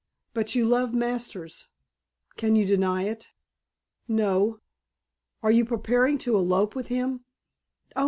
But you love Masters. Can you deny it?" "No." "Are you preparing to elope with him?" "Oh!